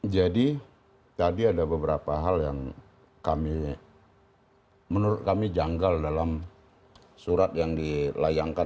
jadi tadi ada beberapa hal yang kami menurut kami janggal dalam surat yang dilayangkan